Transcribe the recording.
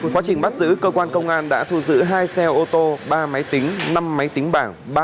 quá trình bắt giữ cơ quan công an đã thu giữ hai xe ô tô ba máy tính năm máy tính bảng